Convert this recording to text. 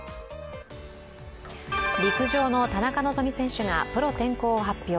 陸上の田中希実選手がプロ転向を発表。